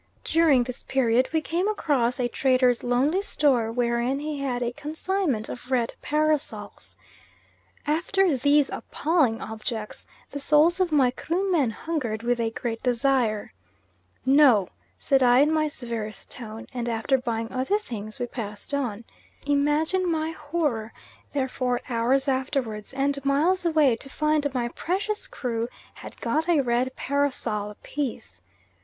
During this period we came across a trader's lonely store wherein he had a consignment of red parasols. After these appalling objects the souls of my Krumen hungered with a great desire. "NO," said I, in my severest tone, and after buying other things, we passed on. Imagine my horror, therefore, hours afterwards and miles away, to find my precious crew had got a red parasol apiece.